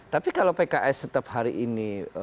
tapi kalau pks tetap hari ini